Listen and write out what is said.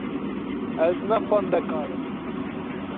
Ez ne xwendekar im.